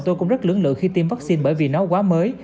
tôi cũng rất lưỡng lẫn khi tiêm vaccine bởi vì nó quá mới